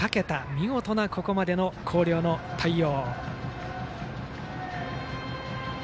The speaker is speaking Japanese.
見事な、ここまでの広陵の対応。